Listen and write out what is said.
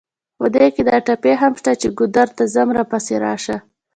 په دې کې دا ټپې هم شته چې: ګودر ته ځم راپسې راشه.